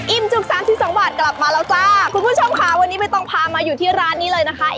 จุกสามสิบสองบาทกลับมาแล้วจ้าคุณผู้ชมค่ะวันนี้ไม่ต้องพามาอยู่ที่ร้านนี้เลยนะคะ